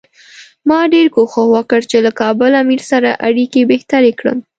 ما ډېر کوښښ وکړ چې له کابل امیر سره اړیکې بهترې کړم.